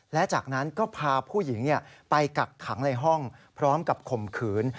และจากนั้นก็พาผู้หญิงไปกักขังในห้องพร้อมกับข่มขืน